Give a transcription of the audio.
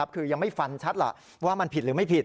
คือยังไม่ฟันชัดล่ะว่ามันผิดหรือไม่ผิด